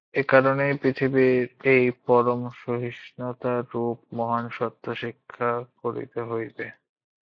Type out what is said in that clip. এই কারণেই পৃথিবীকে এই পরধর্মসহিষ্ণুতারূপ মহান সত্য শিক্ষা করিতে হইবে।